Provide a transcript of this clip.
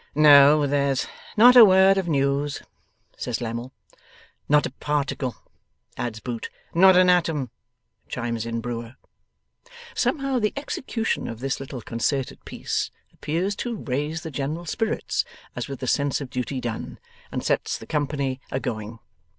'No, there's not a word of news,' says Lammle. 'Not a particle,' adds Boots. 'Not an atom,' chimes in Brewer. Somehow the execution of this little concerted piece appears to raise the general spirits as with a sense of duty done, and sets the company a going.